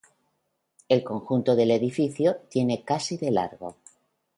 El conjunto del edificio tiene casi de largo.